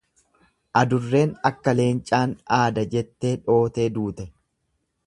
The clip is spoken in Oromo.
Adurreen akka leencaan aada jettee dhootee duute.